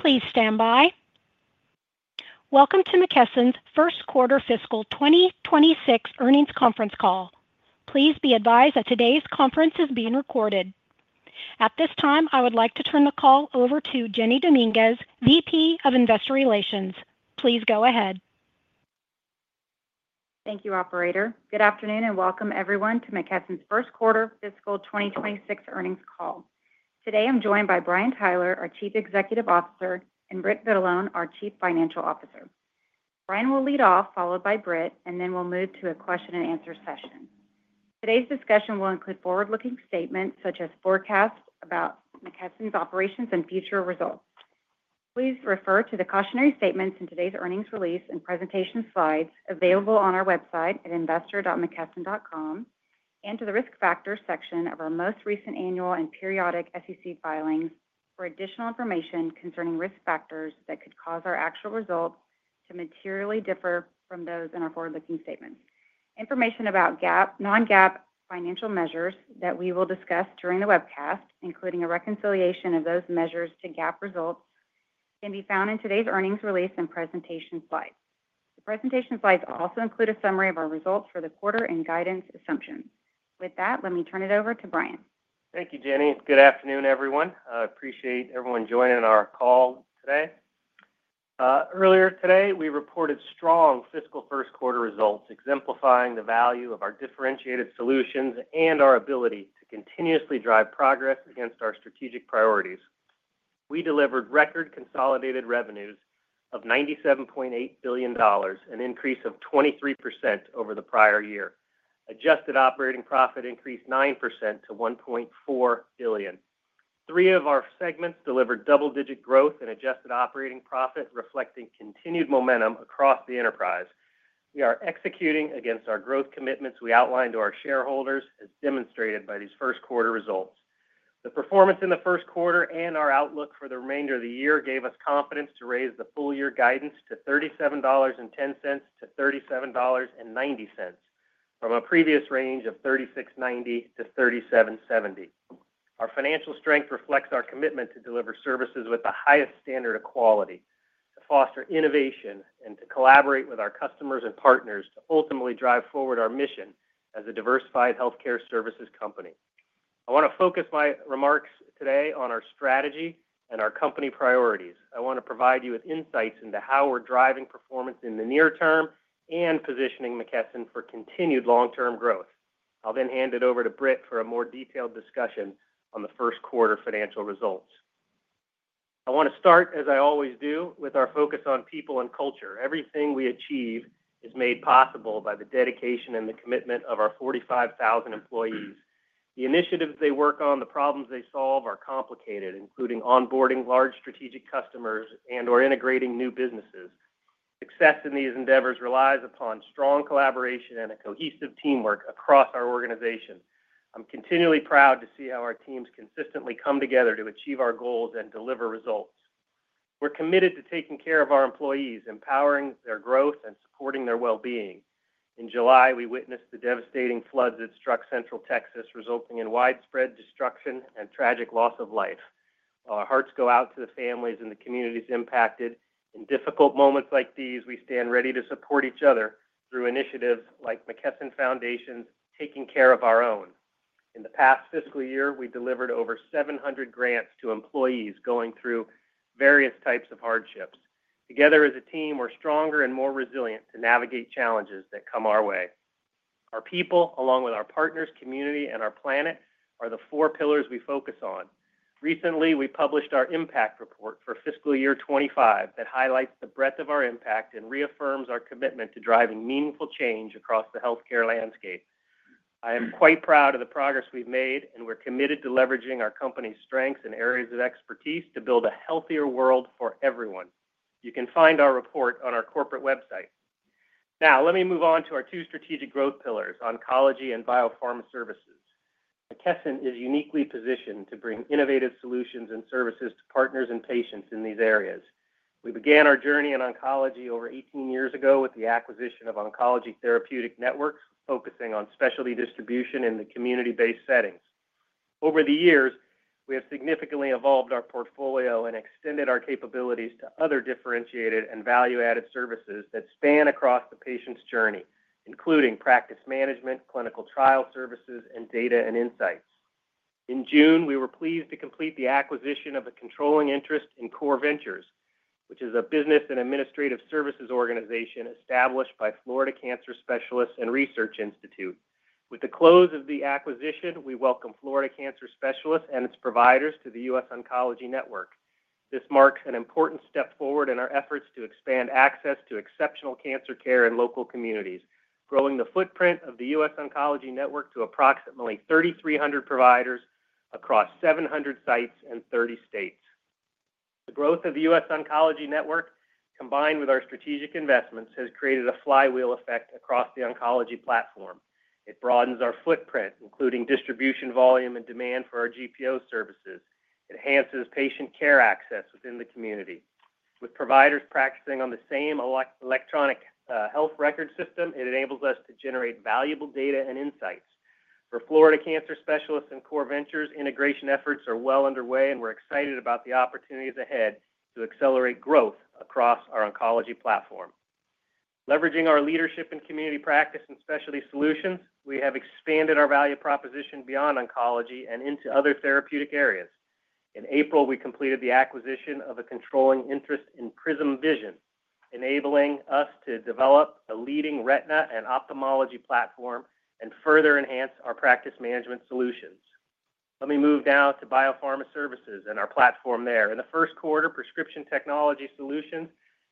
Please stand by. Welcome to McKesson's first quarter fiscal 2026 earnings conference call. Please be advised that today's conference is being recorded. At this time, I would like to turn the call over to Jeni Dominguez, VP of Investor Relations. Please go ahead. Thank you, Operator. Good afternoon and welcome, everyone, to McKesson's first quarter fiscal 2026 earnings call. Today, I'm joined by Brian Tyler, our Chief Executive Officer, and Britt Vitalone, our Chief Financial Officer. Brian will lead off, followed by Britt, and then we'll move to a question-and-answer session. Today's discussion will include forward-looking statements such as forecasts about McKesson's operations and future results. Please refer to the cautionary statements in today's earnings release and presentation slides available on our website at investor.mckesson.com and to the risk factors section of our most recent annual and periodic SEC filings for additional information concerning risk factors that could cause our actual results to materially differ from those in our forward-looking statements. Information about GAAP, non-GAAP financial measures that we will discuss during the webcast, including a reconciliation of those measures to GAAP results, can be found in today's earnings release and presentation slides. Presentation slides also include a summary of our results for the quarter and guidance assumptions. With that, let me turn it over to Brian. Thank you, Jeni. Good afternoon, everyone. I appreciate everyone joining our call today. Earlier today, we reported strong fiscal first quarter results, exemplifying the value of our differentiated solutions and our ability to continuously drive progress against our strategic priorities. We delivered record consolidated revenues of $97.8 billion, an increase of 23% over the prior year. Adjusted operating profit increased 9% to $1.4 billion. Three of our segments delivered double-digit growth in adjusted operating profit, reflecting continued momentum across the enterprise. We are executing against our growth commitments we outlined to our shareholders, as demonstrated by these first quarter results. The performance in the first quarter and our outlook for the remainder of the year gave us confidence to raise the full-year guidance to $37.10-$37.90, from a previous range of $36.90-$37.70. Our financial strength reflects our commitment to deliver services with the highest standard of quality, to foster innovation, and to collaborate with our customers and partners to ultimately drive forward our mission as a diversified healthcare services company. I want to focus my remarks today on our strategy and our company priorities. I want to provide you with insights into how we're driving performance in the near term and positioning McKesson for continued long-term growth. I'll then hand it over to Britt for a more detailed discussion on the first quarter financial results. I want to start, as I always do, with our focus on people and culture. Everything we achieve is made possible by the dedication and the commitment of our 45,000 employees. The initiatives they work on, the problems they solve, are complicated, including onboarding large strategic customers and/or integrating new businesses. Success in these endeavors relies upon strong collaboration and a cohesive teamwork across our organization. I'm continually proud to see how our teams consistently come together to achieve our goals and deliver results. We're committed to taking care of our employees, empowering their growth, and supporting their well-being. In July, we witnessed the devastating floods that struck central Texas, resulting in widespread destruction and tragic loss of life. Our hearts go out to the families and the communities impacted. In difficult moments like these, we stand ready to support each other through initiatives like McKesson Foundation's Taking Care of Our Own. In the past fiscal year, we delivered over 700 grants to employees going through various types of hardships. Together as a team, we're stronger and more resilient to navigate challenges that come our way. Our people, along with our partners, community, and our planet, are the four pillars we focus on. Recently, we published our impact report for fiscal year 2025 that highlights the breadth of our impact and reaffirms our commitment to driving meaningful change across the healthcare landscape. I am quite proud of the progress we've made, and we're committed to leveraging our company's strengths and areas of expertise to build a healthier world for everyone. You can find our report on our corporate website. Now, let me move on to our two strategic growth pillars, oncology and biopharma services. McKesson is uniquely positioned to bring innovative solutions and services to partners and patients in these areas. We began our journey in oncology over 18 years ago with the acquisition of Oncology Therapeutics Network, focusing on specialty distribution in the community-based settings. Over the years, we have significantly evolved our portfolio and extended our capabilities to other differentiated and value-added services that span across the patient's journey, including practice management, clinical trial services, and data and insights. In June, we were pleased to complete the acquisition of a controlling interest in Core Ventures, which is a business and administrative services organization established by Florida Cancer Specialists and Research Institute. With the close of the acquisition, we welcomed Florida Cancer Specialists and its providers to the U.S. Oncology Network. This marks an important step forward in our efforts to expand access to exceptional cancer care in local communities, growing the footprint of the U.S. Oncology Network to approximately 3,300 providers across 700 sites and 30 states. The growth of the U.S. Oncology Network, combined with our strategic investments, has created a flywheel effect across the oncology platform. It broadens our footprint, including distribution volume and demand for our GPO services. It enhances patient care access within the community. With providers practicing on the same electronic health record system, it enables us to generate valuable data and insights. For Florida Cancer Specialists and Core Ventures, integration efforts are well underway, and we're excited about the opportunities ahead to accelerate growth across our oncology platform. Leveraging our leadership in community practice and specialty solutions, we have expanded our value proposition beyond oncology and into other therapeutic areas. In April, we completed the acquisition of a controlling interest in Prism Vision, enabling us to develop a leading retina and ophthalmology platform and further enhance our practice management solutions. Let me move now to biopharma services and our platform there. In the first quarter, Prescription Technology Solutions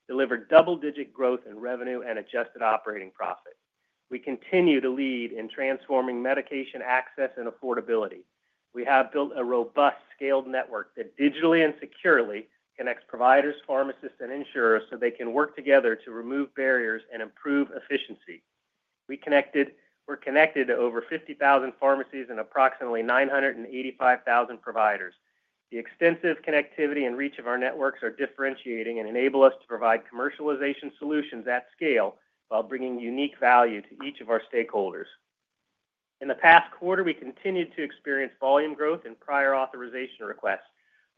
delivered double-digit growth in revenue and adjusted operating profit. We continue to lead in transforming medication access and affordability. We have built a robust, scaled network that digitally and securely connects providers, pharmacists, and insurers so they can work together to remove barriers and improve efficiency. We're connected to over 50,000 pharmacies and approximately 985,000 providers. The extensive connectivity and reach of our networks are differentiating and enable us to provide commercialization solutions at scale while bringing unique value to each of our stakeholders. In the past quarter, we continued to experience volume growth in prior authorization requests.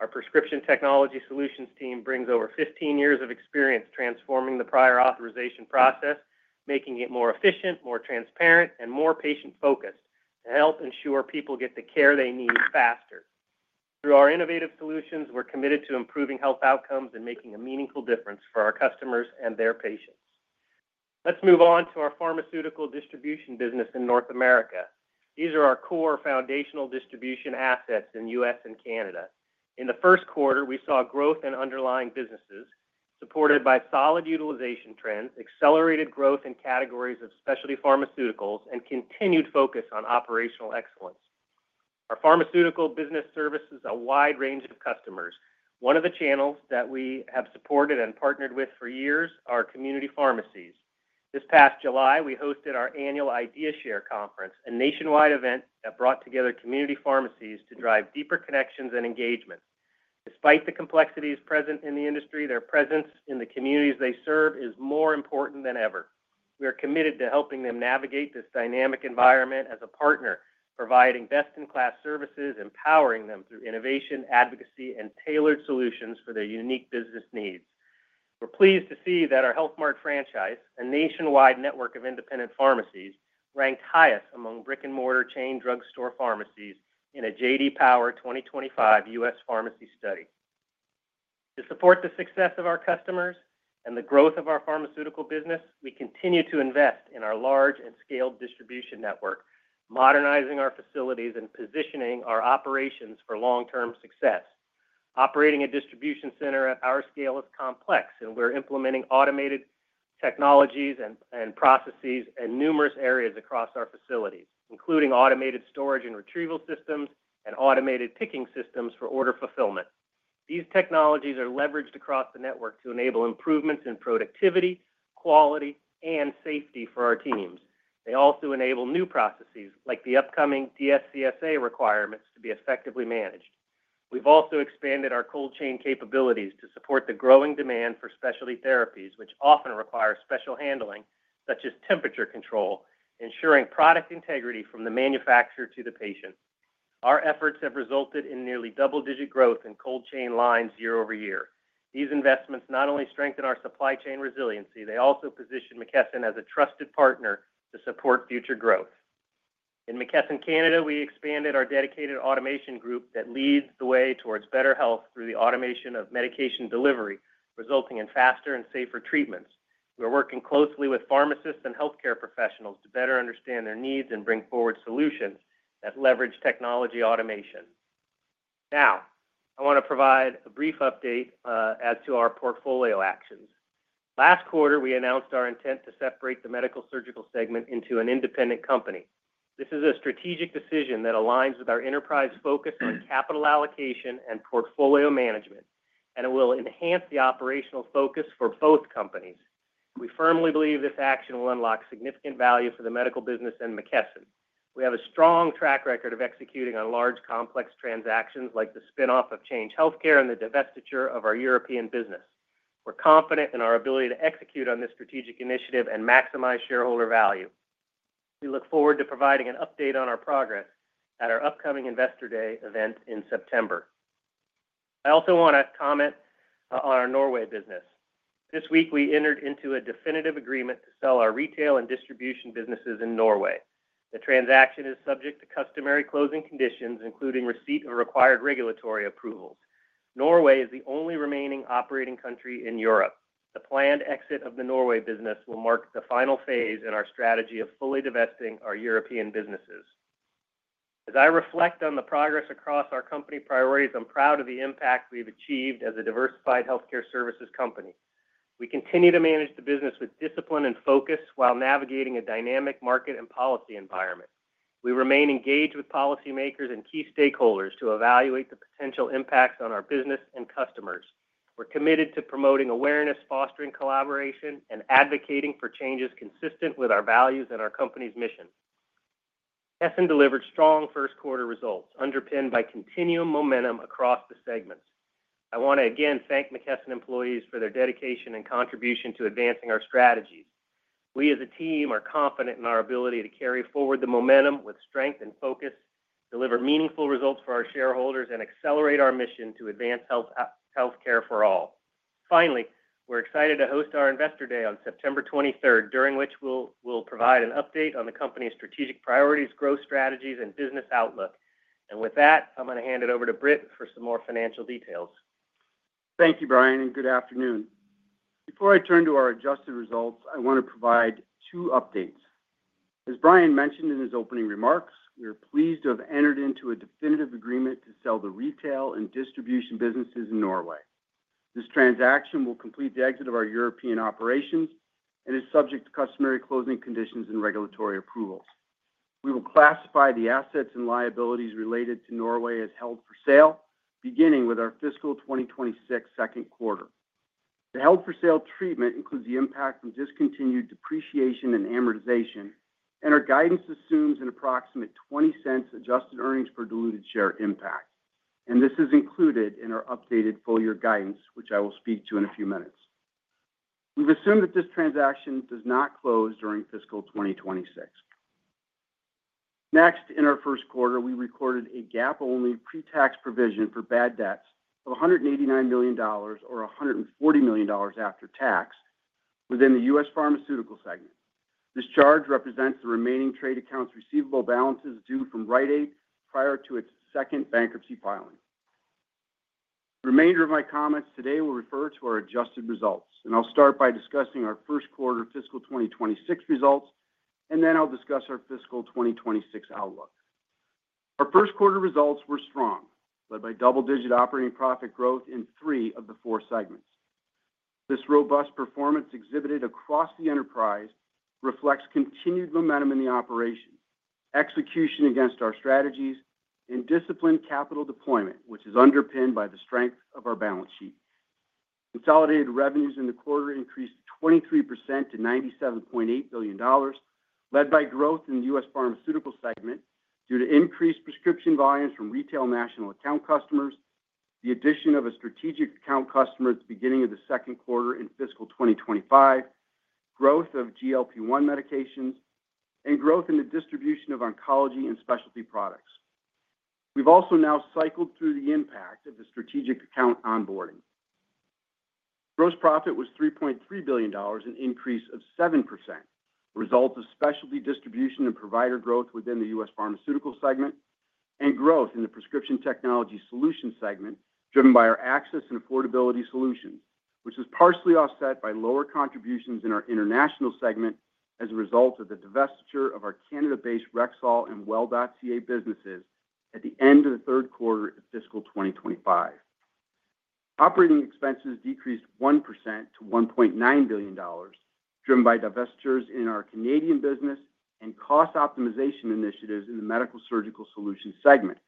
Our Prescription Technology Solutions team brings over 15 years of experience transforming the prior authorization process, making it more efficient, more transparent, and more patient-focused to help ensure people get the care they need faster. Through our innovative solutions, we're committed to improving health outcomes and making a meaningful difference for our customers and their patients. Let's move on to our pharmaceutical distribution business in North America. These are our core foundational distribution assets in the U.S. and Canada. In the first quarter, we saw growth in underlying businesses, supported by solid utilization trends, accelerated growth in categories of specialty pharmaceuticals, and continued focus on operational excellence. Our pharmaceutical business services a wide range of customers. One of the channels that we have supported and partnered with for years are community pharmacies. This past July, we hosted our annual Idea Share Conference, a nationwide event that brought together community pharmacies to drive deeper connections and engagement. Despite the complexities present in the industry, their presence in the communities they serve is more important than ever. We are committed to helping them navigate this dynamic environment as a partner, providing best-in-class services, empowering them through innovation, advocacy, and tailored solutions for their unique business needs. We're pleased to see that our HealthMart franchise, a nationwide network of independent pharmacies, ranked highest among brick-and-mortar chain drugstore pharmacies in a J.D. Power 2025 U.S. Pharmacy Study. To support the success of our customers and the growth of our pharmaceutical business, we continue to invest in our large and scaled distribution network, modernizing our facilities and positioning our operations for long-term success. Operating a distribution center at our scale is complex, and we're implementing automated technologies and processes in numerous areas across our facilities, including automated storage and retrieval systems and automated picking systems for order fulfillment. These technologies are leveraged across the network to enable improvements in productivity, quality, and safety for our teams. They also enable new processes, like the upcoming DFCSA requirements, to be effectively managed. We've also expanded our cold chain capabilities to support the growing demand for specialty therapies, which often require special handling, such as temperature control, ensuring product integrity from the manufacturer to the patient. Our efforts have resulted in nearly double-digit growth in cold chain lines year-over-year. These investments not only strengthen our supply chain resiliency, they also position McKesson as a trusted partner to support future growth. In McKesson Canada, we expanded our dedicated automation group that leads the way towards better health through the automation of medication delivery, resulting in faster and safer treatments. We're working closely with pharmacists and healthcare professionals to better understand their needs and bring forward solutions that leverage technology automation. Now, I want to provide a brief update as to our portfolio actions. Last quarter, we announced our intent to separate the medical-surgical segment into an independent company. This is a strategic decision that aligns with our enterprise focus on capital allocation and portfolio management, and it will enhance the operational focus for both companies. We firmly believe this action will unlock significant value for the medical business and McKesson. We have a strong track record of executing on large, complex transactions like the spin-off of Change Healthcare and the divestiture of our European business. We're confident in our ability to execute on this strategic initiative and maximize shareholder value. We look forward to providing an update on our progress at our upcoming Investor Day event in September. I also want to comment on our Norway business. This week, we entered into a definitive agreement to sell our retail and distribution businesses in Norway. The transaction is subject to customary closing conditions, including receipt of required regulatory approval. Norway is the only remaining operating country in Europe. The planned exit of the Norway business will mark the final phase in our strategy of fully divesting our European businesses. As I reflect on the progress across our company priorities, I'm proud of the impact we've achieved as a diversified healthcare services company. We continue to manage the business with discipline and focus while navigating a dynamic market and policy environment. We remain engaged with policymakers and key stakeholders to evaluate the potential impacts on our business and customers. We're committed to promoting awareness, fostering collaboration, and advocating for changes consistent with our values and our company's mission. McKesson delivered strong first quarter results underpinned by continuing momentum across the segments. I want to again thank McKesson employees for their dedication and contribution to advancing our strategy. We, as a team, are confident in our ability to carry forward the momentum with strength and focus, deliver meaningful results for our shareholders, and accelerate our mission to advance healthcare for all. Finally, we're excited to host our Investor Day on September 23rd, during which we'll provide an update on the company's strategic priorities, growth strategies, and business outlook. With that, I'm going to hand it over to Britt for some more financial details. Thank you, Brian, and good afternoon. Before I turn to our adjusted results, I want to provide two updates. As Brian mentioned in his opening remarks, we are pleased to have entered into a definitive agreement to sell the retail and distribution businesses in Norway. This transaction will complete the exit of our European operations and is subject to customary closing conditions and regulatory approvals. We will classify the assets and liabilities related to Norway as held for sale, beginning with our fiscal 2026 second quarter. The held for sale treatment includes the impact from discontinued depreciation and amortization, and our guidance assumes an approximate $0.20 adjusted earnings per diluted share impact. This is included in our updated full-year guidance, which I will speak to in a few minutes. We have assumed that this transaction does not close during fiscal 2026. Next, in our first quarter, we recorded a GAAP-only pre-tax provision for bad debts of $189 million or $140 million after tax within the U.S. Pharmaceutical segment. This charge represents the remaining trade accounts receivable balances due from Rite Aid prior to its second bankruptcy filing. The remainder of my comments today will refer to our adjusted results, and I'll start by discussing our first quarter fiscal 2026 results, and then I'll discuss our fiscal 2026 outlook. Our first quarter results were strong, led by double-digit operating profit growth in three of the four segments. This robust performance exhibited across the enterprise reflects continued momentum in the operation, execution against our strategies, and disciplined capital deployment, which is underpinned by the strength of our balance sheet. Consolidated revenues in the quarter increased 23% to $97.8 billion, led by growth in the U.S. Pharmaceutical segment due to increased prescription volumes from retail national account customers, the addition of a strategic account customer at the beginning of the second quarter in fiscal 2025, growth of GLP-1 medications, and growth in the distribution of oncology and specialty products. We have also now cycled through the impact of the strategic account onboarding. Gross profit was $3.3 billion, an increase of 7%, a result of specialty distribution and provider growth within the U.S. Pharmaceutical segment and growth in the Prescription Technology Solutions segment driven by our access and affordability solutions, which was partially offset by lower contributions in our International segment as a result of the divestiture of our Canada-based Rexall and well.ca businesses at the end of the third quarter of fiscal 2025. Operating expenses decreased 1% to $1.9 billion, driven by divestitures in our Canadian business and cost optimization initiatives in the Medical-Surgical Solutions segment,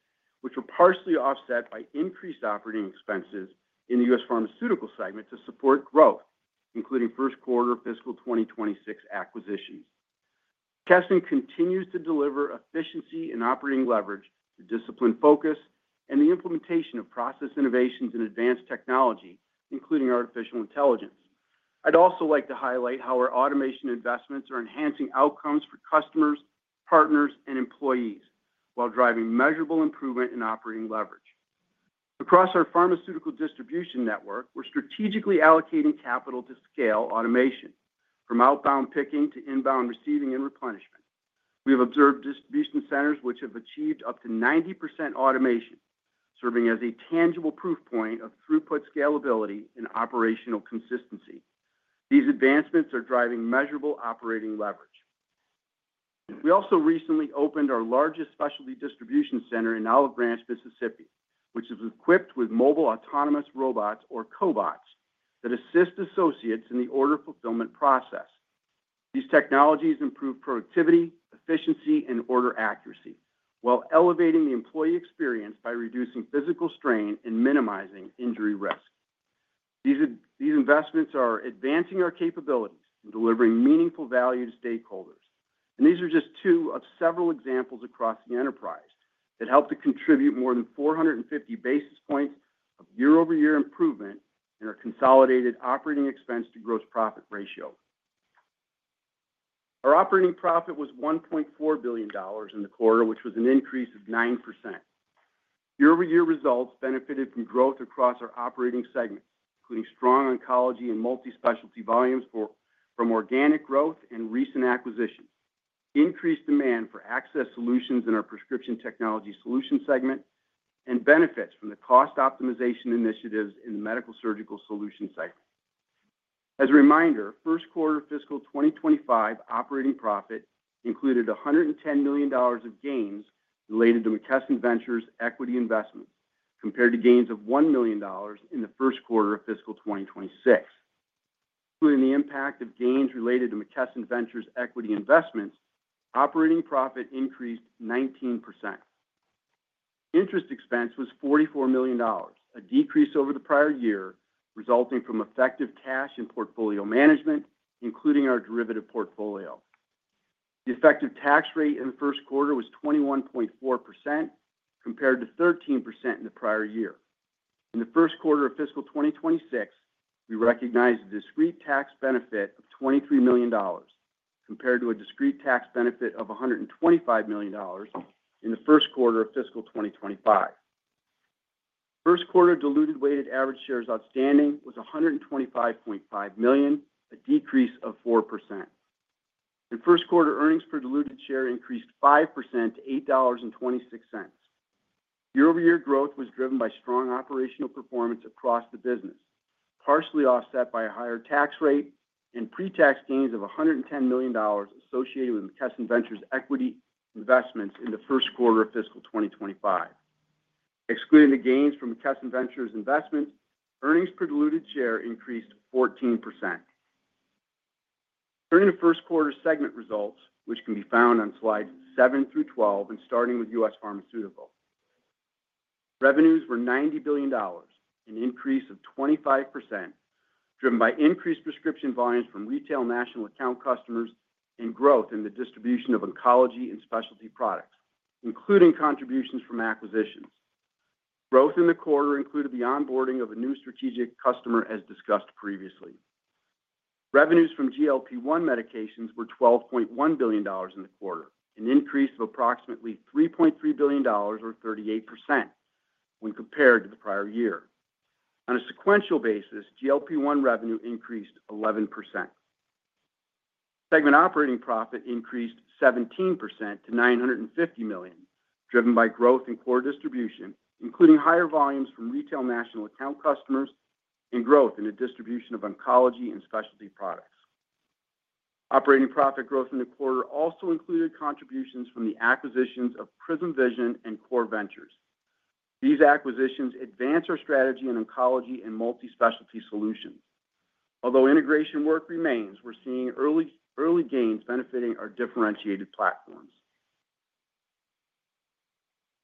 which were partially offset by increased operating expenses in the U.S. Pharmaceutical segment to support growth, including first quarter fiscal 2026 acquisitions. McKesson continues to deliver efficiency in operating leverage, disciplined focus, and the implementation of process innovations in advanced technology, including artificial intelligence. I’d also like to highlight how our automation investments are enhancing outcomes for customers, partners, and employees while driving measurable improvement in operating leverage. Across our pharmaceutical distribution network, we’re strategically allocating capital to scale automation, from outbound picking to inbound receiving and replenishment. We have observed distribution centers which have achieved up to 90% automation, serving as a tangible proof point of throughput scalability and operational consistency. These advancements are driving measurable operating leverage. We also recently opened our largest specialty distribution center in Olive Branch, Mississippi, which is equipped with mobile autonomous robots, or cobots, that assist associates in the order fulfillment process. These technologies improve productivity, efficiency, and order accuracy while elevating the employee experience by reducing physical strain and minimizing injury risk. These investments are advancing our capabilities and delivering meaningful value to stakeholders. These are just two of several examples across the enterprise that help to contribute more than 450 basis points of year-over-year improvement in our consolidated operating expense to gross profit ratio. Our operating profit was $1.4 billion in the quarter, which was an increase of 9%. Year-over-year results benefited from growth across our operating segment, including strong oncology and multispecialty volumes from organic growth and recent acquisitions, increased demand for access solutions in our Prescription Technology Solutions segment, and benefits from the cost optimization initiatives in the Medical-Surgical Solution segment. As a reminder, first quarter fiscal 2025 operating profit included $110 million of gains related to McKesson Ventures' equity investments, compared to gains of $1 million in the first quarter of fiscal 2026. Including the impact of gains related to McKesson Ventures' equity investments, operating profit increased 19%. Interest expense was $44 million, a decrease over the prior year, resulting from effective cash and portfolio management, including our derivative portfolio. The effective tax rate in the first quarter was 21.4% compared to 13% in the prior year. In the first quarter of fiscal 2026, we recognized a discrete tax benefit of $23 million compared to a discrete tax benefit of $125 million in the first quarter of fiscal 2025. First quarter diluted weighted average shares outstanding was 125.5 million, a decrease of 4%. In first quarter, earnings per diluted share increased 5% to $8.26. Year-over-year growth was driven by strong operational performance across the business, partially offset by a higher tax rate and pre-tax gains of $110 million associated with McKesson Ventures' equity investments in the first quarter of fiscal 2025. Excluding the gains from McKesson Ventures' investments, earnings per diluted share increased 14%. Turning to first quarter segment results, which can be found on slides 7 through 12 and starting with U.S. Pharmaceutical, revenues were $90 billion, an increase of 25% driven by increased prescription volumes from retail national account customers and growth in the distribution of oncology and specialty products, including contributions from acquisitions. Growth in the quarter included the onboarding of a new strategic customer, as discussed previously. Revenues from GLP-1 medications were $12.1 billion in the quarter, an increase of approximately $3.3 billion or 38% when compared to the prior year. On a sequential basis, GLP-1 revenue increased 11%. Segment operating profit increased 17% to $950 million, driven by growth in core distribution, including higher volumes from retail national account customers and growth in the distribution of oncology and specialty products. Operating profit growth in the quarter also included contributions from the acquisitions of Prism Vision Holdings and Community Oncology Revitalization Enterprise Ventures (Core Ventures). These acquisitions advance our strategy in oncology and multispecialty solutions. Although integration work remains, we're seeing early gains benefiting our differentiated platforms.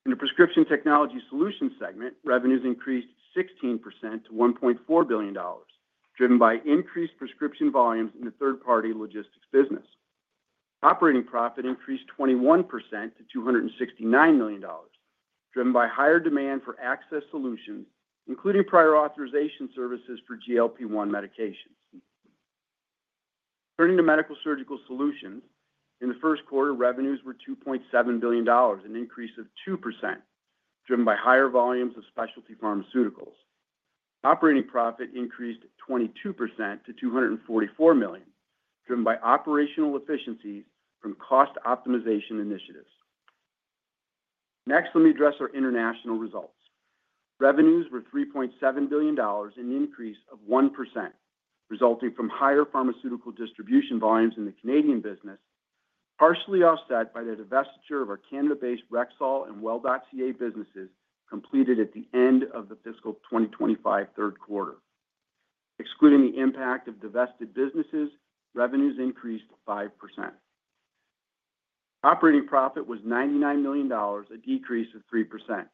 In the Prescription Technology Solutions (RXTS) segment, revenues increased 16% to $1.4 billion, driven by increased prescription volumes in the third-party logistics business. Operating profit increased 21% to $269 million, driven by higher demand for access solutions, including prior authorization services for GLP-1 medications. Turning to medical-surgical solutions, in the first quarter, revenues were $2.7 billion, an increase of 2%, driven by higher volumes of specialty pharmaceuticals. Operating profit increased 22% to $244 million, driven by operational efficiencies from cost optimization initiatives. Next, let me address our international results. Revenues were $3.7 billion, an increase of 1%, resulting from higher pharmaceutical distribution volumes in the Canadian business, partially offset by the divestiture of our Canada-based Rexall and well.ca businesses, completed at the end of the fiscal 2025 third quarter. Excluding the impact of divested businesses, revenues increased 5%. Operating profit was $99 million, a decrease of 3%,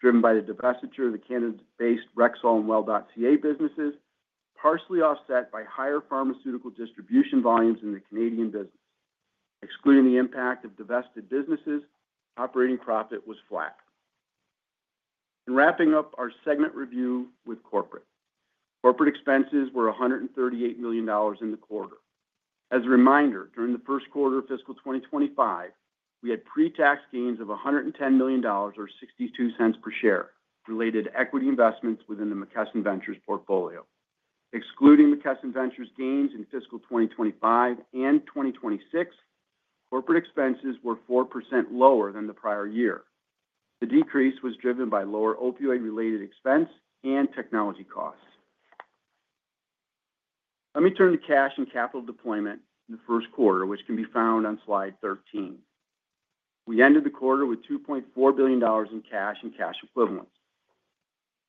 driven by the divestiture of the Canada-based Rexall and well.ca businesses, partially offset by higher pharmaceutical distribution volumes in the Canadian business. Excluding the impact of divested businesses, operating profit was flat. Wrapping up our segment review with corporate, corporate expenses were $138 million in the quarter. As a reminder, during the first quarter of fiscal 2025, we had pre-tax gains of $110 million or $0.62 per share related to equity investments within the McKesson Ventures portfolio. Excluding McKesson Ventures' gains in fiscal 2025 and 2026, corporate expenses were 4% lower than the prior year. The decrease was driven by lower opioid-related expense and technology costs. Let me turn to cash and capital deployment in the first quarter, which can be found on slide 13. We ended the quarter with $2.4 billion in cash and cash equivalents.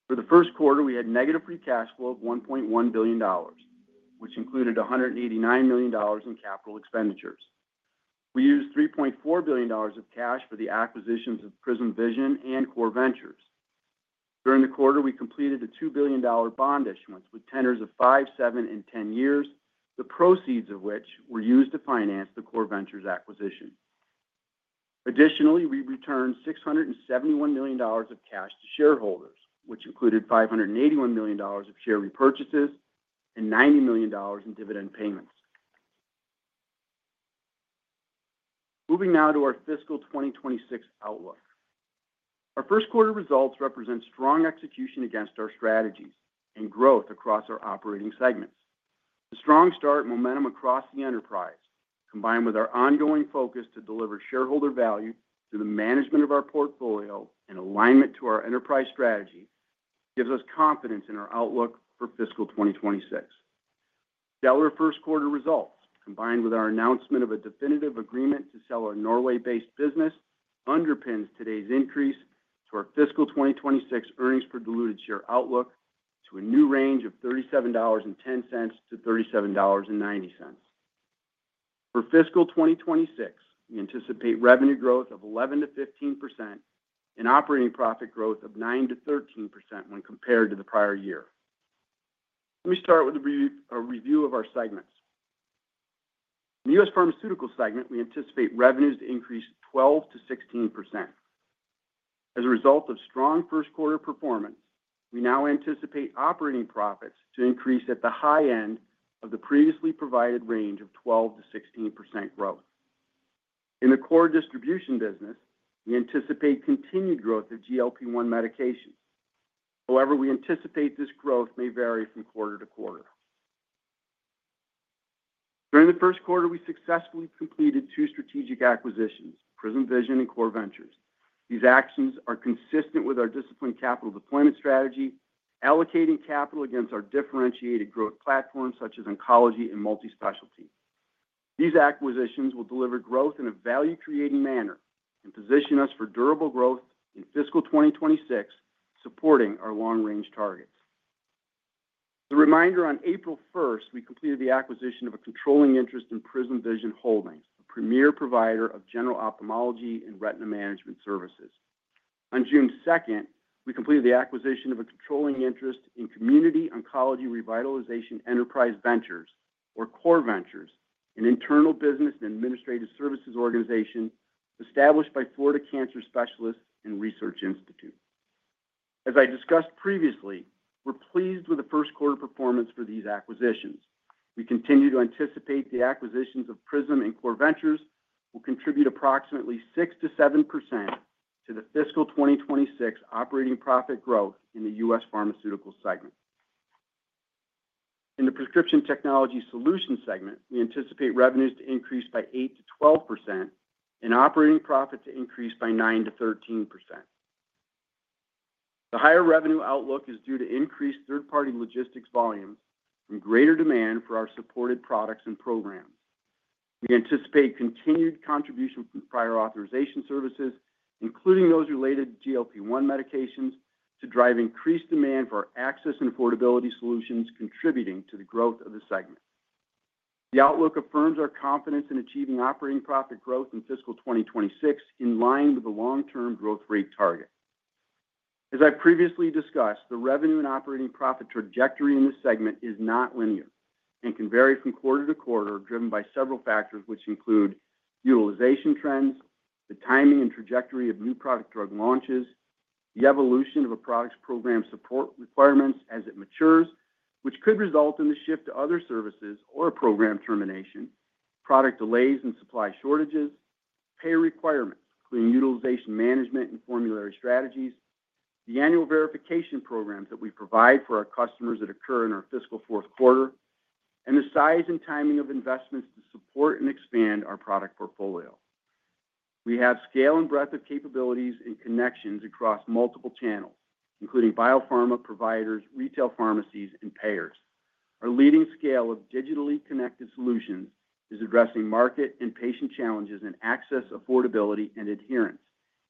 For the first quarter, we had negative free cash flow of $1.1 billion, which included $189 million in capital expenditures. We used $3.4 billion of cash for the acquisitions of Prism Vision Holdings and Community Oncology Revitalization Enterprise Ventures (Core Ventures). During the quarter, we completed a $2 billion bond issuance with tenders of five, seven, and 10 years, the proceeds of which were used to finance the Core Ventures acquisition. Additionally, we returned $671 million of cash to shareholders, which included $581 million of share repurchases and $90 million in dividend payments. Moving now to our fiscal 2026 outlook. Our first quarter results represent strong execution against our strategies and growth across our operating segments. The strong start momentum across the enterprise, combined with our ongoing focus to deliver shareholder value through the management of our portfolio and alignment to our enterprise strategy, gives us confidence in our outlook for fiscal 2026. Stellar first quarter results, combined with our announcement of a definitive agreement to sell our Norway-based business, underpins today's increase to our fiscal 2026 earnings per diluted share outlook to a new range of $37.10-$37.90. For fiscal 2026, we anticipate revenue growth of 11%-15% and operating profit growth of 9%-13% when compared to the prior year. Let me start with a review of our segments. In the U.S. Pharmaceutical segment, we anticipate revenues to increase 12%-16%. As a result of strong first quarter performance, we now anticipate operating profits to increase at the high end of the previously provided range of 12%-16% growth. In the core distribution business, we anticipate continued growth of GLP-1 medications. However, we anticipate this growth may vary from quarter to quarter. During the first quarter, we successfully completed two strategic acquisitions, Prism Vision Holdings and Core Ventures. These actions are consistent with our disciplined capital deployment strategy, allocating capital against our differentiated growth platforms, such as oncology and multispecialty. These acquisitions will deliver growth in a value-creating manner and position us for durable growth in fiscal 2026, supporting our long-range targets. As a reminder, on April 1, we completed the acquisition of a controlling interest in Prism Vision Holdings, the premier provider of general ophthalmology and retina management services. On June 2, we completed the acquisition of a controlling interest in Community Oncology Revitalization Enterprise Ventures, or Core Ventures, an internal business and administrative services organization established by Florida Cancer Specialists and Research Institute. As I discussed previously, we're pleased with the first quarter performance for these acquisitions. We continue to anticipate the acquisitions of Prism Vision Holdings and Community Oncology Revitalization Enterprise Ventures (Core Ventures) will contribute approximately 6%-7% to the fiscal 2026 operating profit growth in the U.S. Pharmaceutical segment. In the Prescription Technology Solutions (RXTS) segment, we anticipate revenues to increase by 8%-12% and operating profit to increase by 9%-13%. The higher revenue outlook is due to increased third-party logistics volume and greater demand for our supported products and programs. We anticipate continued contribution from prior authorization services, including those related to GLP-1 medications, to drive increased demand for our access and affordability solutions, contributing to the growth of the segment. The outlook affirms our confidence in achieving operating profit growth in fiscal 2026 in line with the long-term growth rate target. As I previously discussed, the revenue and operating profit trajectory in this segment is not linear and can vary from quarter to quarter, driven by several factors, which include utilization trends, the timing and trajectory of new product drug launches, the evolution of a product's program support requirements as it matures, which could result in the shift to other services or a program termination, product delays and supply shortages, payer requirements, including utilization management and formulary strategies, the annual verification programs that we provide for our customers that occur in our fiscal fourth quarter, and the size and timing of investments to support and expand our product portfolio. We have scale and breadth of capabilities and connections across multiple channels, including biopharma providers, retail pharmacies, and payers. Our leading scale of digitally connected solutions is addressing market and patient challenges in access, affordability, and adherence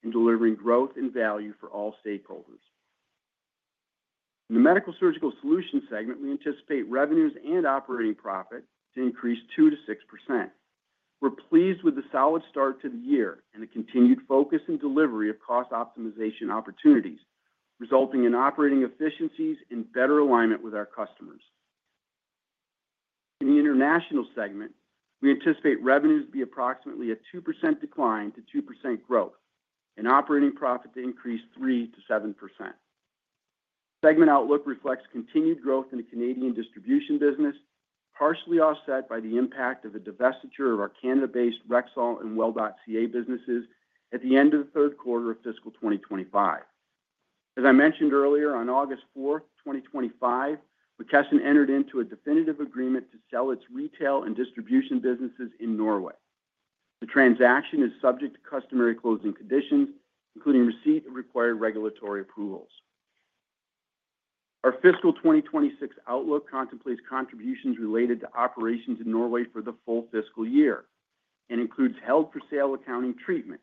in delivering growth and value for all stakeholders. In the Medical-Surgical Solutions segment, we anticipate revenues and operating profit to increase 2%-6%. We're pleased with the solid start to the year and the continued focus and delivery of cost optimization opportunities, resulting in operating efficiencies and better alignment with our customers. In the International segment, we anticipate revenues to be approximately a 2% decline to 2% growth and operating profit to increase 3%-7%. Segment outlook reflects continued growth in the Canadian distribution business, partially offset by the impact of a divestiture of our Canada-based Rexall and well.ca businesses at the end of the third quarter of fiscal 2025. As I mentioned earlier, on August 4, 2025, McKesson entered into a definitive agreement to sell its retail and distribution businesses in Norway. The transaction is subject to customary closing conditions, including receipt of required regulatory approvals. Our fiscal 2026 outlook contemplates contributions related to operations in Norway for the full fiscal year and includes held for sale accounting treatment,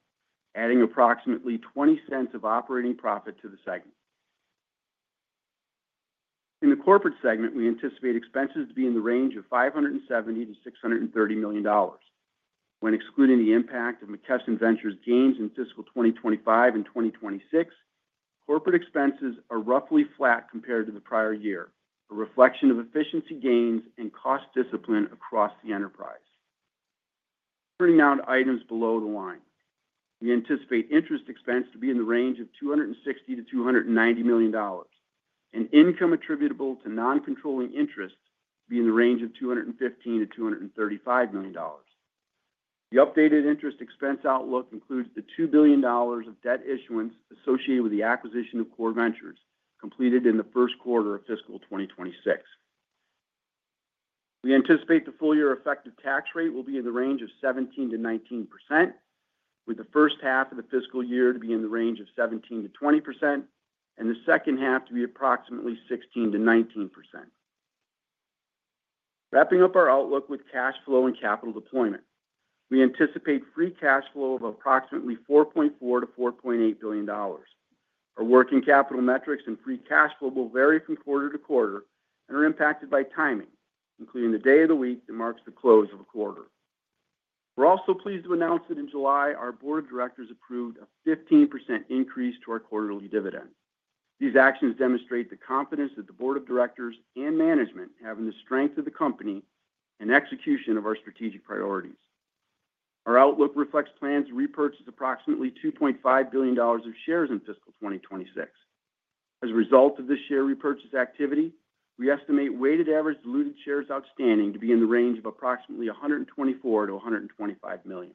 adding approximately $0.20 of operating profit to the segment. In the corporate segment, we anticipate expenses to be in the range of $570 million-$630 million. When excluding the impact of McKesson Ventures' gains in fiscal 2025 and 2026, corporate expenses are roughly flat compared to the prior year, a reflection of efficiency gains and cost discipline across the enterprise. Turning now to items below the line, we anticipate interest expense to be in the range of $260 million -$290 million and income attributable to non-controlling interest to be in the range of $215 million-$235 million. The updated interest expense outlook includes the $2 billion of debt issuance associated with the acquisition of Community Oncology Revitalization Enterprise Ventures (Core Ventures), completed in the first quarter of fiscal 2026. We anticipate the full-year effective tax rate will be in the range of 17%-19%, with the first half of the fiscal year to be in the range of 17%-20% and the second half to be approximately 16%-19%. Wrapping up our outlook with cash flow and capital deployment, we anticipate free cash flow of approximately $4.4 billion-$4.8 billion. Our working capital metrics and free cash flow will vary from quarter to quarter and are impacted by timing, including the day of the week that marks the close of a quarter. We're also pleased to announce that in July, our board of directors approved a 15% increase to our quarterly dividend. These actions demonstrate the confidence that the board of directors and management have in the strength of the company and execution of our strategic priorities. Our outlook reflects plans to repurchase approximately $2.5 billion of shares in fiscal 2026. As a result of this share repurchase activity, we estimate weighted average diluted shares outstanding to be in the range of approximately 124 million-125 million.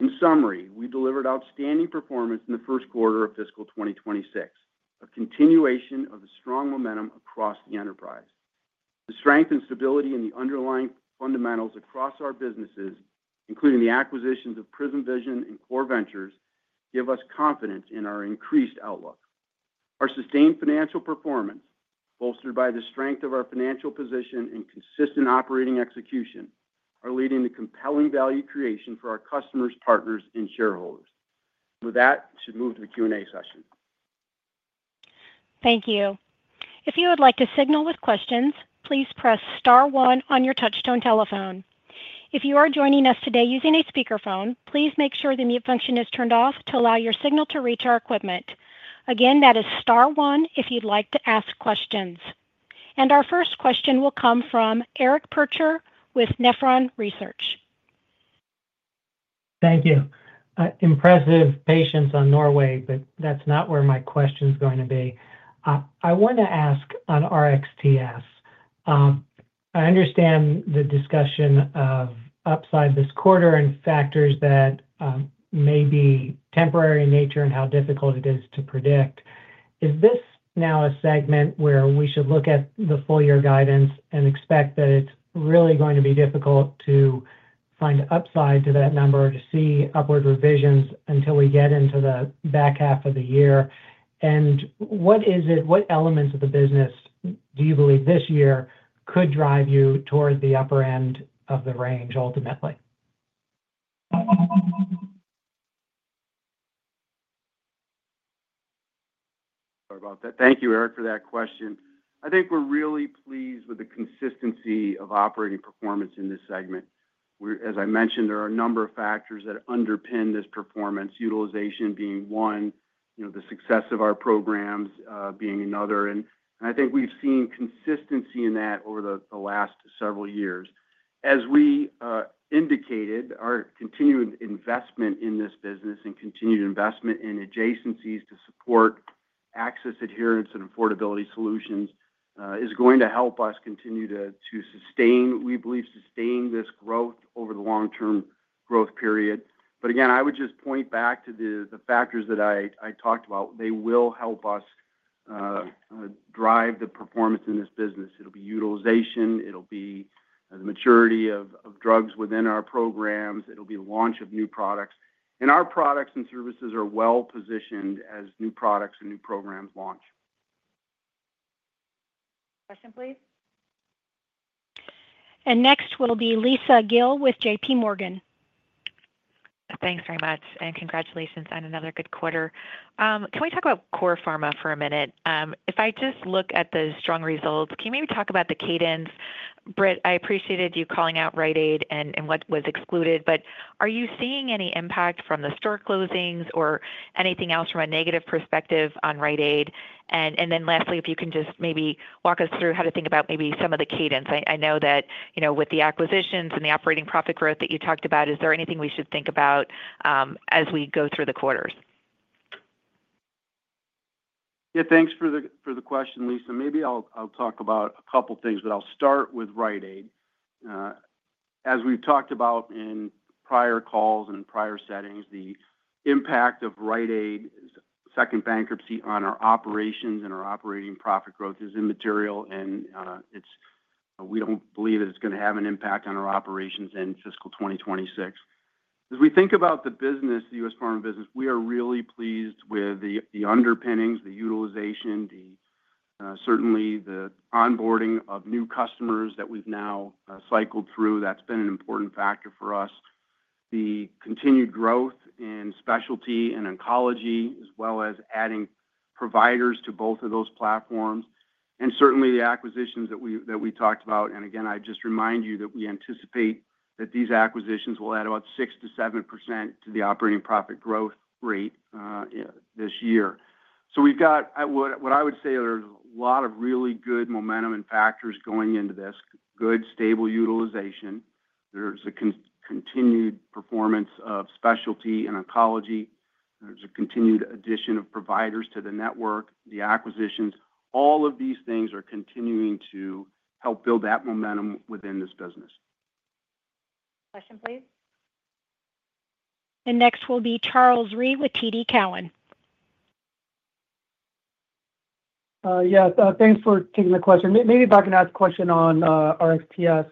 In summary, we delivered outstanding performance in the first quarter of fiscal 2026, a continuation of the strong momentum across the enterprise. The strength and stability in the underlying fundamentals across our businesses, including the acquisitions of Prism Vision Holdings and Community Oncology Revitalization Enterprise Ventures (Core Ventures), give us confidence in our increased outlook. Our sustained financial performance, bolstered by the strength of our financial position and consistent operating execution, are leading to compelling value creation for our customers, partners, and shareholders. With that, we should move to the Q&A session. Thank you. If you would like to signal with questions, please press star one on your touch-tone telephone. If you are joining us today using a speakerphone, please make sure the mute function is turned off to allow your signal to reach our equipment. Again, that is star one if you'd like to ask questions. Our first question will come from Eric Percher with Nephron Research. Thank you. Impressive patience on Norway, but that's not where my question is going to be. I want to ask on RXTS. I understand the discussion of upside this quarter and factors that may be temporary in nature and how difficult it is to predict. Is this now a segment where we should look at the full-year guidance and expect that it's really going to be difficult to find upside to that number or to see upward revisions until we get into the back half of the year? What is it, what elements of the business do you believe this year could drive you toward the upper end of the range ultimately? Thank you, Eric, for that question. I think we're really pleased with the consistency of operating performance in this segment. As I mentioned, there are a number of factors that underpin this performance, utilization being one, the success of our programs being another. I think we've seen consistency in that over the last several years. As we indicated, our continued investment in this business and continued investment in adjacencies to support access, adherence, and affordability solutions is going to help us continue to sustain, we believe, sustain this growth over the long-term growth period. I would just point back to the factors that I talked about. They will help us drive the performance in this business. It'll be utilization. It'll be the maturity of drugs within our programs. It'll be the launch of new products. Our products and services are well positioned as new products and new programs launch. Question, please. Next will be Lisa Gill with J.P. Morgan. Thanks very much. Congratulations on another good quarter. Can we talk about Core Pharma for a minute? If I just look at those strong results, can you maybe talk about the cadence? Britt, I appreciated you calling out Rite Aid and what was excluded. Are you seeing any impact from the store closings or anything else from a negative perspective on Rite Aid? Lastly, if you can just maybe walk us through how to think about maybe some of the cadence. I know that, you know, with the acquisitions and the operating profit growth that you talked about, is there anything we should think about as we go through the quarters? Yeah, thanks for the question, Lisa. Maybe I'll talk about a couple of things, but I'll start with Rite Aid. As we've talked about in prior calls and prior settings, the impact of Rite Aid's second bankruptcy on our operations and our operating profit growth is immaterial, and we don't believe that it's going to have an impact on our operations in fiscal 2026. As we think about the business, the U.S. pharma business, we are really pleased with the underpinnings, the utilization, certainly the onboarding of new customers that we've now cycled through. That's been an important factor for us. The continued growth in specialty and oncology, as well as adding providers to both of those platforms, and certainly the acquisitions that we talked about. I just remind you that we anticipate that these acquisitions will add about 6%-7% to the operating profit growth rate this year. We've got, what I would say, there's a lot of really good momentum and factors going into this, good stable utilization. There's a continued performance of specialty and oncology. There's a continued addition of providers to the network. The acquisitions, all of these things are continuing to help build that momentum within this business. Question, please. Next will be Charles Reid with TD Cowen. Yeah, thanks for taking the question. Maybe if I can ask a question on RXTS.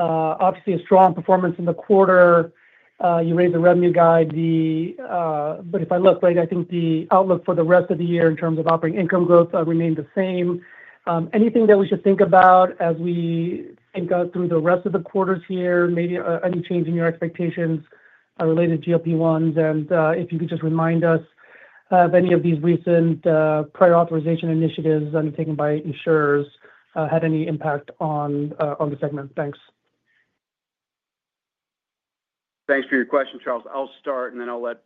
Obviously, a strong performance in the quarter. You raised the revenue guide. If I look, right, I think the outlook for the rest of the year in terms of operating income growth remained the same. Anything that we should think about as we go through the rest of the quarters here? Maybe any change in your expectations related to GLP-1s? If you could just remind us if any of these recent prior authorization initiatives undertaken by insurers had any impact on the segment. Thanks. Thanks for your question, Charles. I'll start, and then I'll let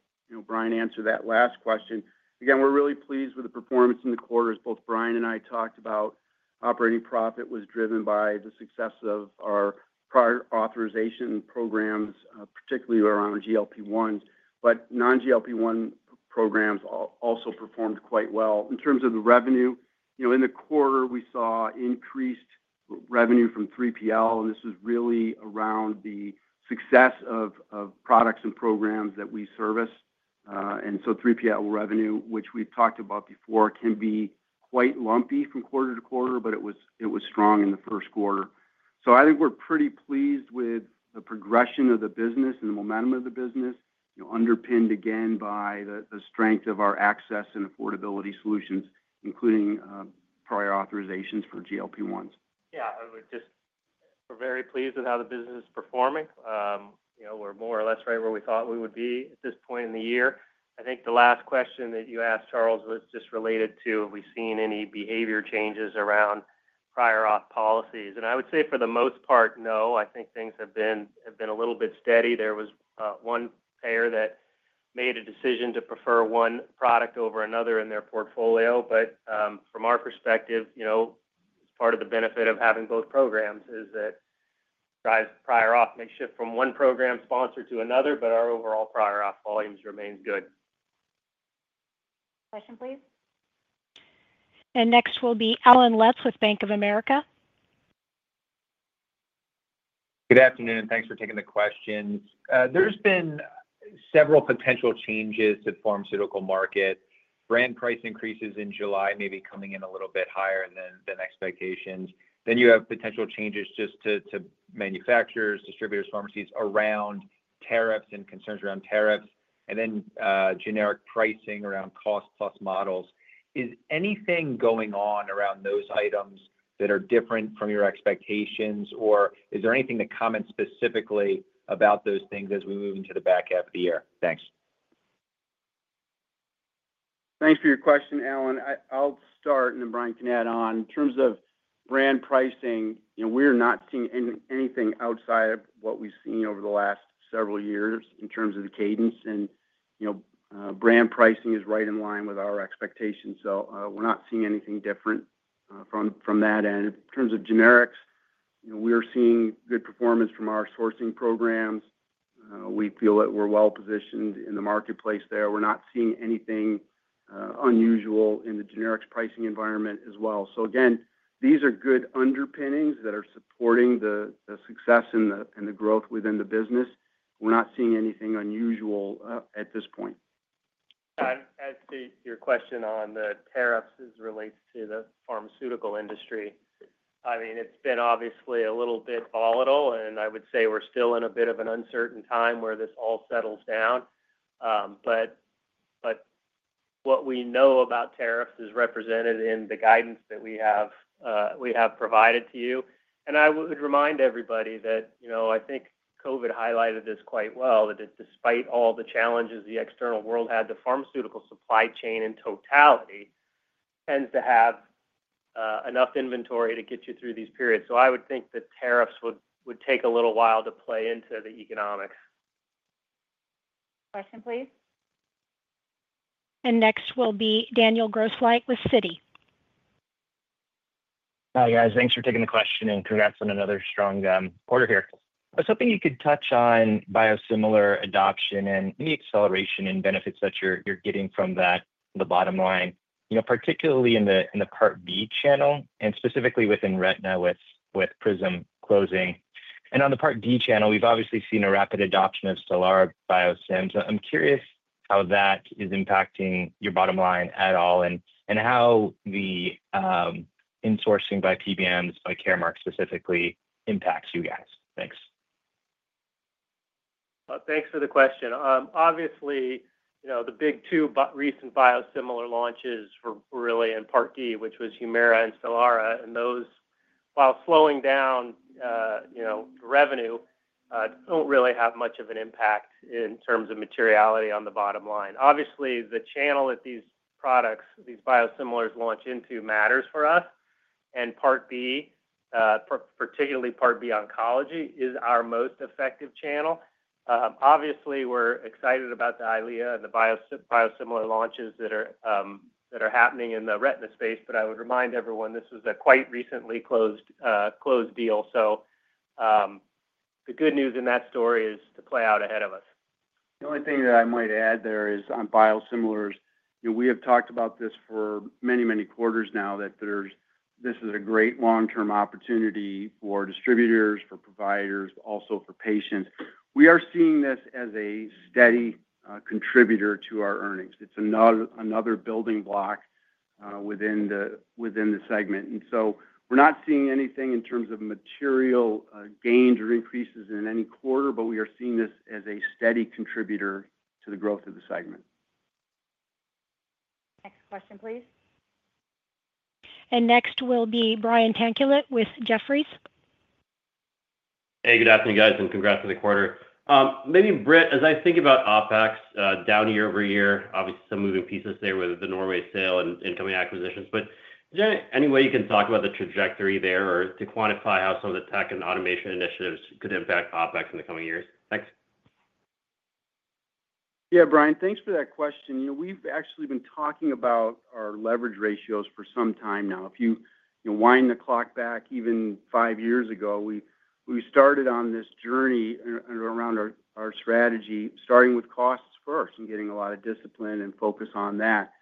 Brian answer that last question. Again, we're really pleased with the performance in the quarters. Both Brian and I talked about operating profit was driven by the success of our prior authorization programs, particularly around GLP-1s. Non-GLP-1 programs also performed quite well. In terms of the revenue, you know, in the quarter, we saw increased revenue from 3PL, and this was really around the success of products and programs that we service. 3PL revenue, which we've talked about before, can be quite lumpy from quarter to quarter, but it was strong in the first quarter. I think we're pretty pleased with the progression of the business and the momentum of the business, underpinned again by the strength of our access and affordability solutions, including prior authorizations for GLP-1s. Yeah, we're just very pleased with how the business is performing. We're more or less right where we thought we would be at this point in the year. I think the last question that you asked, Charles, was just related to have we seen any behavior changes around prior auth policies? I would say for the most part, no. I think things have been a little bit steady. There was one payer that made a decision to prefer one product over another in their portfolio. From our perspective, part of the benefit of having both programs is that prior auth may shift from one program sponsor to another, but our overall prior auth volumes remain good. Question, please. Next will be Allen Lutz with Bank of America. Good afternoon. Thanks for taking the question. There have been several potential changes to the pharmaceutical market. Brand price increases in July may be coming in a little bit higher than expectations. You have potential changes to manufacturers, distributors, pharmacies around tariffs and concerns around tariffs, and generic pricing around cost-plus models. Is anything going on around those items that are different from your expectations, or is there anything to comment specifically about those things as we move into the back half of the year? Thanks. Thanks for your question, Allen. I'll start, and then Brian can add on. In terms of brand pricing, we're not seeing anything outside of what we've seen over the last several years in terms of the cadence. Brand pricing is right in line with our expectations. We're not seeing anything different from that end. In terms of generics, we're seeing good performance from our sourcing programs. We feel that we're well positioned in the marketplace there. We're not seeing anything unusual in the generics pricing environment as well. These are good underpinnings that are supporting the success and the growth within the business. We're not seeing anything unusual at this point. As to your question on the tariffs as it relates to the pharmaceutical industry, it's been obviously a little bit volatile, and I would say we're still in a bit of an uncertain time where this all settles down. What we know about tariffs is represented in the guidance that we have provided to you. I would remind everybody that, you know, I think COVID highlighted this quite well, that despite all the challenges the external world had, the pharmaceutical supply chain in totality tends to have enough inventory to get you through these periods. I would think the tariffs would take a little while to play into the economics. Question, please. Next will be Daniel Grosslightwith Citi. Hi, guys. Thanks for taking the question and congrats on another strong quarter here. I was hoping you could touch on biosimilar adoption and any acceleration in benefits that you're getting from that, the bottom line, you know, particularly in the Part B channel and specifically within retina with Prism Vision Holdings closing. On the Part D channel, we've obviously seen a rapid adoption of Stellar Biosims. I'm curious how that is impacting your bottom line at all and how the insourcing by PBMs, by Caremark specifically, impacts you guys. Thanks. Thanks for the question. Obviously, you know, the big two recent biosimilar launches were really in Part D, which was Humira and Stelara. Those, while slowing down revenue, don't really have much of an impact in terms of materiality on the bottom line. Obviously, the channel that these products, these biosimilars launch into, matters for us. Part B, particularly Part B oncology, is our most effective channel. Obviously, we're excited about the Eylea and the biosimilar launches that are happening in the retina space, but I would remind everyone this was a quite recently closed deal. The good news in that story is the playout ahead of us. The only thing that I might add there is on biosimilars, you know, we have talked about this for many, many quarters now that this is a great long-term opportunity for distributors, for providers, also for patients. We are seeing this as a steady contributor to our earnings. It's another building block within the segment. We are not seeing anything in terms of material gains or increases in any quarter, but we are seeing this as a steady contributor to the growth of the segment. Next question, please. Next will be Brian Tanquilut with Jefferies. Hey, good afternoon, guys, and congrats on the quarter. Maybe, Britt, as I think about OpEx down year-over-year, obviously some moving pieces there with the Norway sale and incoming acquisitions, but is there any way you can talk about the trajectory there or to quantify how some of the tech and automation initiatives could impact OpEx in the coming years? Next. Yeah, Brian, thanks for that question. We've actually been talking about our leverage ratios for some time now. If you wind the clock back even five years ago, we started on this journey around our strategy, starting with costs first and getting a lot of discipline and focus on that.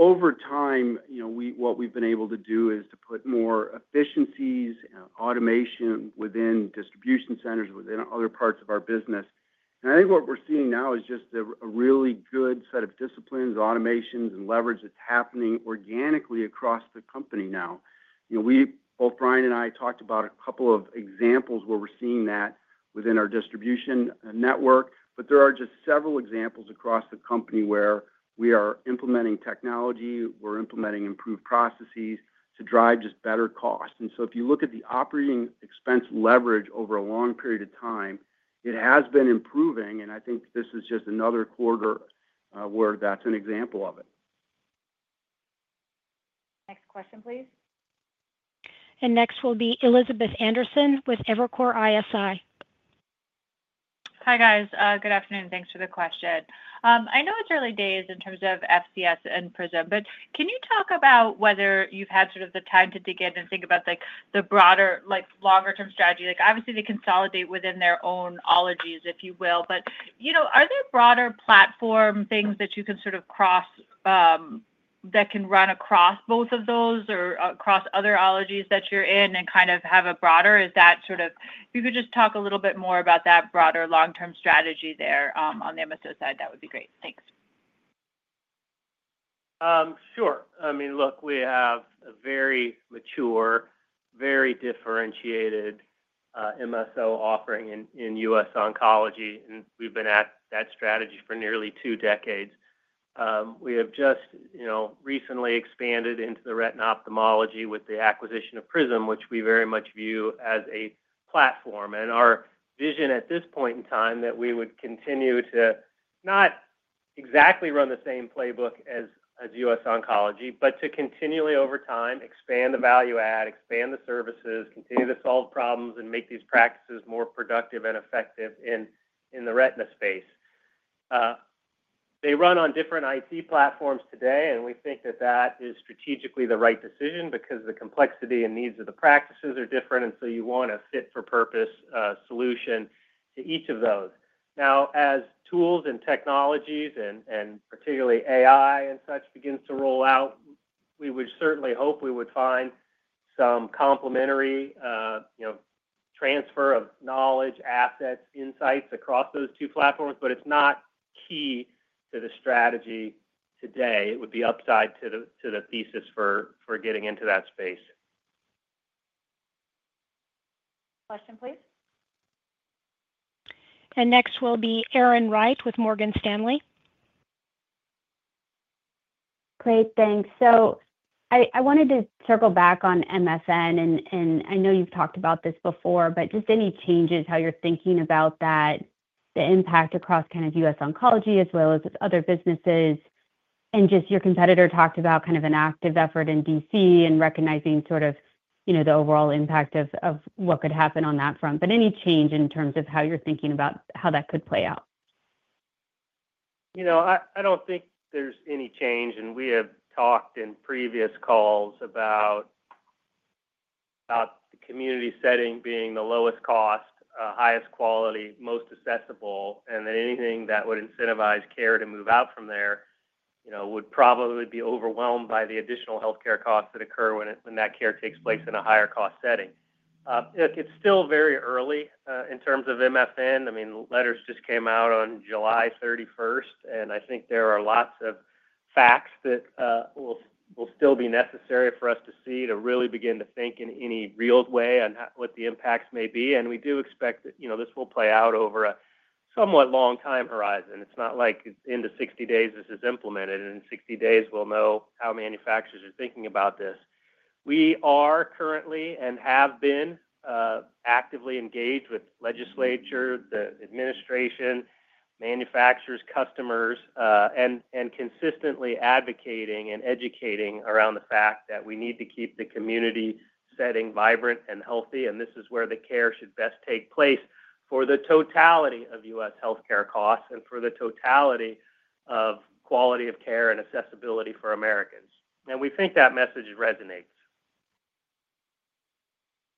Over time, what we've been able to do is to put more efficiencies and automation within distribution centers, within other parts of our business. I think what we're seeing now is just a really good set of disciplines, automations, and leverage that's happening organically across the company now. Both Brian and I talked about a couple of examples where we're seeing that within our distribution network, but there are just several examples across the company where we are implementing technology, we're implementing improved processes to drive just better costs. If you look at the operating expense leverage over a long period of time, it has been improving. I think this is just another quarter where that's an example of it. Next question, please. Next will be Elizabeth Anderson with Evercore ISI. Hi, guys. Good afternoon. Thanks for the question. I know it's early days in terms of Florida Cancer Specialists and Research Institute and Prism Vision Holdings, but can you talk about whether you've had the time to dig in and think about the broader, like longer-term strategy? Obviously, they consolidate within their own ologies, if you will. Are there broader platform things that you can cross, that can run across both of those or across other ologies that you're in and kind of have a broader? If you could just talk a little bit more about that broader long-term strategy there on the MSO side, that would be great. Thanks. Sure. I mean, look, we have a very mature, very differentiated MSO offering in U.S. Oncology, and we've been at that strategy for nearly two decades. We have just recently expanded into the retina ophthalmology with the acquisition of Prism, which we very much view as a platform. Our vision at this point in time is that we would continue to not exactly run the same playbook as U.S. Oncology, but to continually, over time, expand the value add, expand the services, continue to solve problems, and make these practices more productive and effective in the retina space. They run on different IT platforms today, and we think that that is strategically the right decision because the complexity and needs of the practices are different. You want a fit-for-purpose solution to each of those. Now, as tools and technologies and particularly AI and such begin to roll out, we would certainly hope we would find some complementary transfer of knowledge, assets, insights across those two platforms, but it's not key to the strategy today. It would be upside to the thesis for getting into that space. Question, please. Next will be Erin Wright with Morgan Stanley. Great, thanks. I wanted to circle back on MSN, and I know you've talked about this before. Just any changes, how you're thinking about that, the impact across kind of U.S. Oncology as well as other businesses. Your competitor talked about kind of an active effort in D.C. and recognizing the overall impact of what could happen on that front. Any change in terms of how you're thinking about how that could play out? I don't think there's any change. We have talked in previous calls about the community setting being the lowest cost, highest quality, most accessible, and that anything that would incentivize care to move out from there would probably be overwhelmed by the additional healthcare costs that occur when that care takes place in a higher cost setting. It's still very early in terms of MSN. Letters just came out on July 31, and I think there are lots of facts that will still be necessary for us to see to really begin to think in any real way on what the impacts may be. We do expect that this will play out over a somewhat long time horizon. It's not like in 60 days this is implemented, and in 60 days, we'll know how manufacturers are thinking about this. We are currently and have been actively engaged with legislature, the administration, manufacturers, customers, and consistently advocating and educating around the fact that we need to keep the community setting vibrant and healthy. This is where the care should best take place for the totality of U.S. healthcare costs and for the totality of quality of care and accessibility for Americans. We think that message resonates.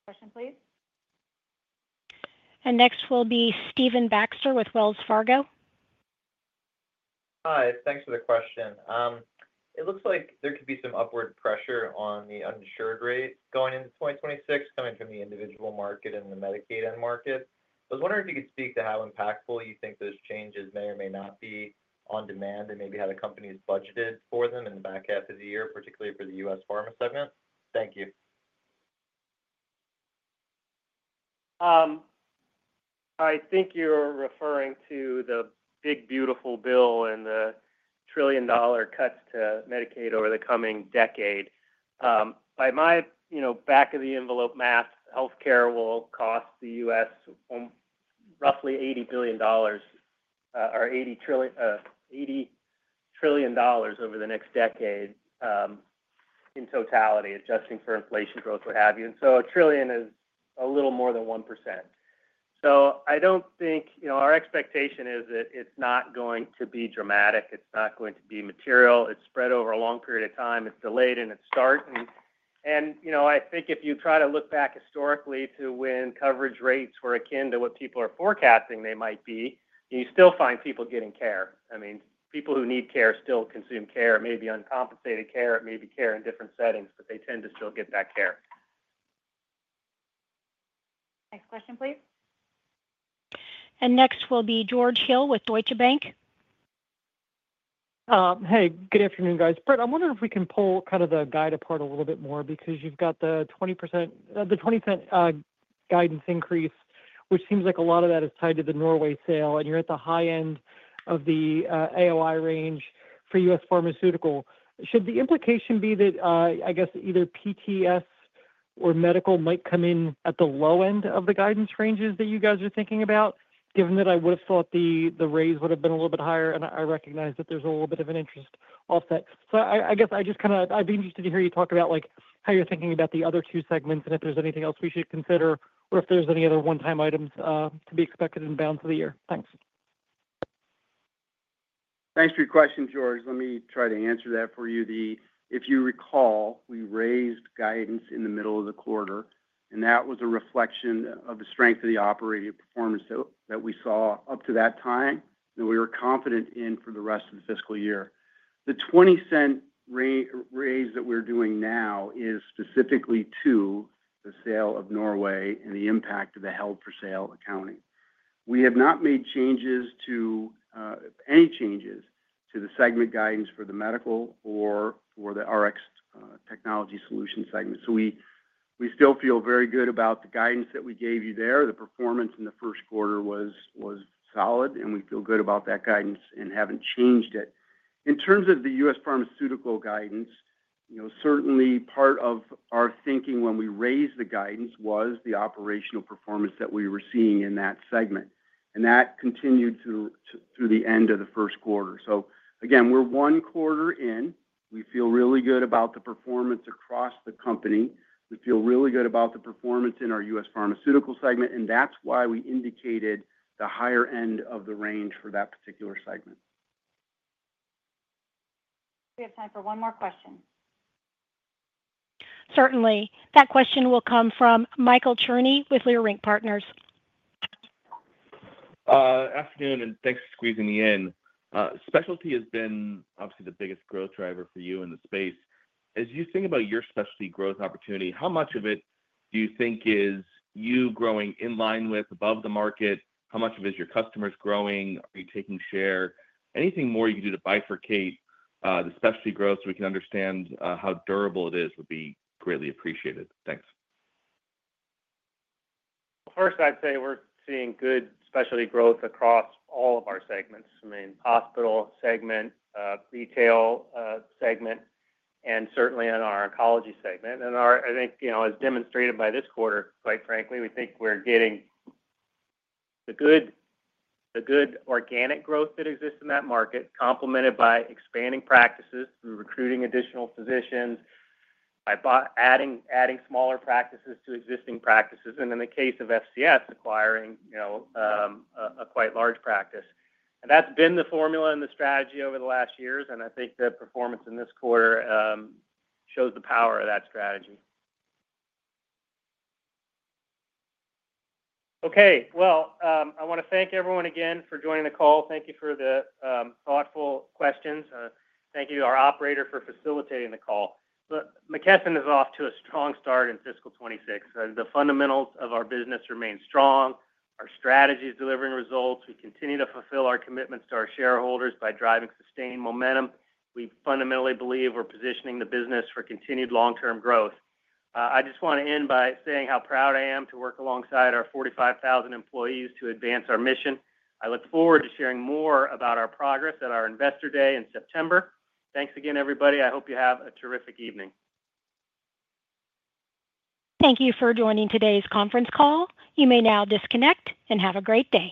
Question, please. Next will be Stephen Baxter with Wells Fargo. Hi. Thanks for the question. It looks like there could be some upward pressure on the uninsured rate going into 2026, coming from the individual market and the Medicaid end market. I was wondering if you could speak to how impactful you think those changes may or may not be on demand and maybe how the company is budgeted for them in the back half of the year, particularly for the U.S. Pharmaceutical segment. Thank you. I think you're referring to the big, beautiful bill and the trillion-dollar cuts to Medicaid over the coming decade. By my, you know, back-of-the-envelope math, healthcare will cost the U.S. roughly $80 trillion over the next decade in totality, adjusting for inflation growth, what have you. A trillion is a little more than 1%. I don't think, you know, our expectation is that it's not going to be dramatic. It's not going to be material. It's spread over a long period of time. It's delayed in its start. I think if you try to look back historically to when coverage rates were akin to what people are forecasting they might be, you still find people getting care. I mean, people who need care still consume care. It may be uncompensated care. It may be care in different settings, but they tend to still get that care. Next question, please. Next will be George Hill with Deutsche Bank. Hey, good afternoon, guys. Britt, I'm wondering if we can pull kind of the guide apart a little bit more because you've got the 20% guidance increase, which seems like a lot of that is tied to the Norway sale, and you're at the high end of the AOI range for U.S. Pharmaceutical. Should the implication be that, I guess, either PTS or Medical might come in at the low end of the guidance ranges that you guys are thinking about, given that I would have thought the raise would have been a little bit higher, and I recognize that there's a little bit of an interest offset? I guess I'd be interested to hear you talk about how you're thinking about the other two segments and if there's anything else we should consider or if there's any other one-time items to be expected in the balance of the year. Thanks. Thanks for your question, George. Let me try to answer that for you. If you recall, we raised guidance in the middle of the quarter, and that was a reflection of the strength of the operating performance that we saw up to that time that we were confident in for the rest of the fiscal year. The $0.20 raise that we're doing now is specifically to the sale of Norway and the impact of the held for sale accounting. We have not made changes to any changes to the segment guidance for the medical or the RXTS segment. We still feel very good about the guidance that we gave you there. The performance in the first quarter was solid, and we feel good about that guidance and haven't changed it. In terms of the U.S. Pharmaceutical guidance, certainly part of our thinking when we raised the guidance was the operational performance that we were seeing in that segment. That continued through the end of the first quarter. We are one quarter in. We feel really good about the performance across the company. We feel really good about the performance in our U.S. Pharmaceutical segment, and that's why we indicated the higher end of the range for that particular segment. We have time for one more question. Certainly. That question will come from Michael Cherny with Leerink Partners. Afternoon, and thanks for squeezing me in. Specialty has been obviously the biggest growth driver for you in the space. As you think about your specialty growth opportunity, how much of it do you think is you growing in line with above the market? How much of it is your customers growing? Are you taking share? Anything more you can do to bifurcate the specialty growth so we can understand how durable it is would be greatly appreciated. Thanks. First, I'd say we're seeing good specialty growth across all of our segments. I mean, hospital segment, retail segment, and certainly in our oncology segment. As demonstrated by this quarter, quite frankly, we think we're getting the good organic growth that exists in that market, complemented by expanding practices through recruiting additional physicians, by adding smaller practices to existing practices, and in the case of Florida Cancer Specialists and Research Institute, acquiring a quite large practice. That's been the formula and the strategy over the last years, and I think the performance in this quarter shows the power of that strategy. I want to thank everyone again for joining the call. Thank you for the thoughtful questions. Thank you to our operator for facilitating the call. McKesson is off to a strong start in fiscal 2026. The fundamentals of our business remain strong. Our strategy is delivering results. We continue to fulfill our commitments to our shareholders by driving sustained momentum. We fundamentally believe we're positioning the business for continued long-term growth. I just want to end by saying how proud I am to work alongside our 45,000 employees to advance our mission. I look forward to sharing more about our progress at our Investor Day in September. Thanks again, everybody. I hope you have a terrific evening. Thank you for joining today's conference call. You may now disconnect and have a great day.